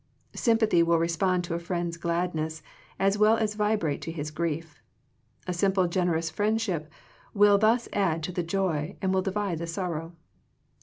Sympathy will respond to a friend's gladness, as well as vibrate to his grief. A simple generous friendship will thus add to the joy, and will divide the sorrow.